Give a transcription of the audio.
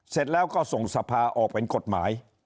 เสร็จแล้วก็ส่งสภาออกเป็นกฎหมาย